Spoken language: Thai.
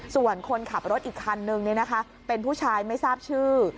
ส่วนคนขับรถอีกคันนึงเป็นผู้ชายไม่ทราบชื่อ